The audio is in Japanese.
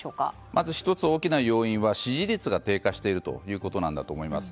まず１つ大きな要因は支持率が低下しているということだと思います。